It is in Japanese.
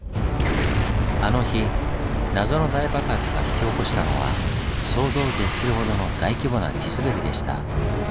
あの日謎の大爆発が引き起こしたのは想像を絶するほどの大規模な地すべりでした。